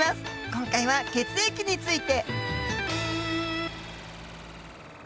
今回は血液について。